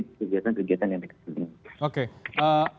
kegiatan kegiatan yang dikasih